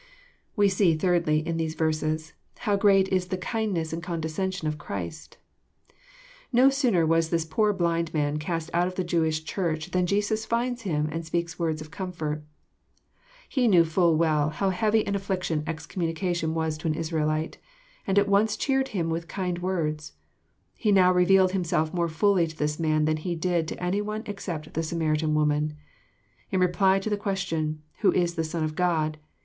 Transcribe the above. We see, thirdly, iH these verses, Jiow great is the ki'nd' ness aTid condescension of Christ. No sooner was this poor blind man cast out of the Jewish Church than Jesus finds him and speaks words of comfort. He knew full well how heavy an afiSiction excommunication was to an Israelite, and at once cheered him with kind words. He now revealed Himself more fully to this man than He did to any one ex cept the Samaritan woman. In reply to the question, '^ Who is the Son of God